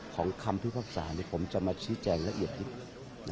ของคำพิพักษานี้ผมจะมาชี้แจงละเอียดนิดนะครับ